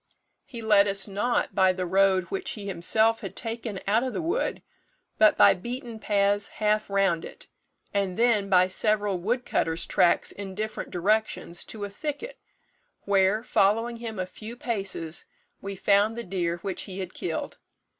He led us not by the road which he himself had taken out of the wood, but by beaten paths half round it, and then by several wood cutters' tracks in different directions, to a thicket, where, following him a few paces, we found the deer which he had killed.